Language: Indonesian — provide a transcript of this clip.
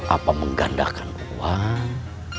apa menggandakan uang